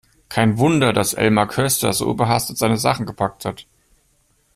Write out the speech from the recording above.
Kein Wunder, dass Elmar Köster so überhastet seine Sachen gepackt hat!